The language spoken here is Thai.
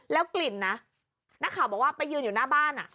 กลิ่นนะนักข่าวบอกว่าไปยืนอยู่หน้าบ้าน